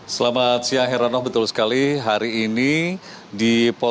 selamat siang herano betul sekali hari ini di pores bogor puslap empat pori